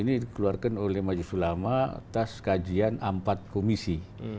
ini dikeluarkan oleh majelis ulama atas kajian empat komisi